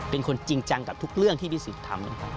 เป็นคนจริงจังกับทุกเรื่องที่พี่สิทธิ์ทำ